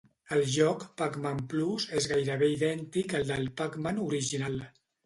El joc "Pac-Man Plus" és gairebé idèntic al del "Pac-Man" original.